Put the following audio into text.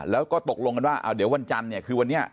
แล้วก็ตกลงกันว่าเดี๋ยววันจันทร์เนี่ยคือวันนี้